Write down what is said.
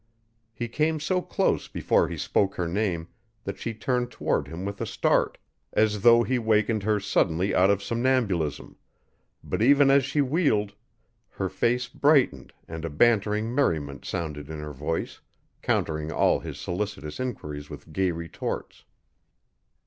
He came so close before he spoke her name that she turned toward him with a start, as though he wakened her suddenly out of somnambulism, but even as she wheeled, her face brightened and a bantering merriment sounded in her voice, countering all his solicitous inquiries with gay retorts.